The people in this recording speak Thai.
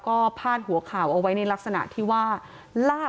กลุ่มวัยรุ่นกลัวว่าจะไม่ได้รับความเป็นธรรมทางด้านคดีจะคืบหน้า